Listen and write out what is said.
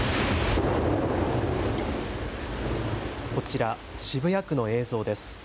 こちら、渋谷区の映像です。